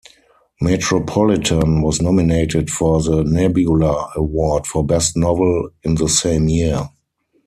"Metropolitan" was nominated for the Nebula Award for Best Novel in the same year.